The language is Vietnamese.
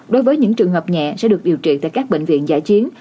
đối với những trường hợp nhẹ sẽ được điều trị tại các bệnh viện giải chiến